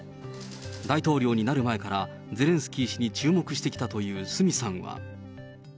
大統領になる前から、ゼレンスキー氏に注目してきたという角さんは。